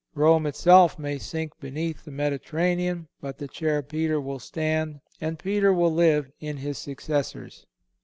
Rome itself may sink beneath the Mediterranean; but the chair of Peter will stand, and Peter will live in his successors.